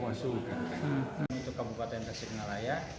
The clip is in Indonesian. untuk kabupaten tasikmalaya